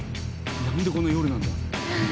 なんでこんな夜なんだ？